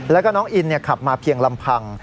แล้วก็น้องอินขับมาเพียงลำพัง